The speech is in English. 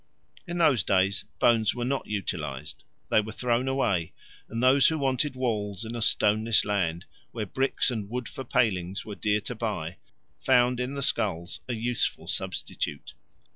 In those days bones were not utilized: they were thrown away, and those who wanted walls in a stoneless land, where bricks and wood for palings were dear to buy, found in the skulls a useful substitute.